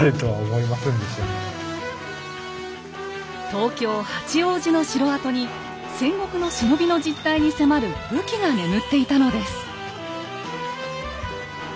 東京・八王子の城跡に戦国の忍びの実態に迫る武器が眠っていたのです。